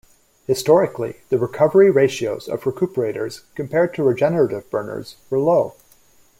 Historically the recovery ratios of recuperators compared to regenerative burners were low.